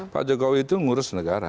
pak jokowi itu ngurus negara